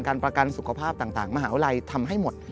ประกันสุขภาพต่างมหาวิทยาลัยทำให้หมด